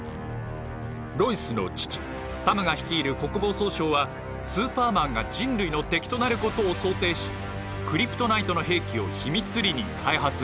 ロイスの父サムが率いる国防総省はスーパーマンが人類の敵となることを想定しクリプトナイトの兵器を秘密裏に開発していたのです。